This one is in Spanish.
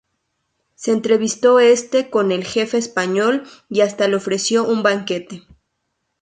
Se entrevistó este con el Jefe español y hasta le ofreció un banquete.